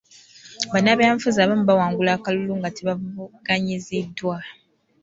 Bannabyabufuzi abamu bawangula akalulu nga tebavuganyiziddwa.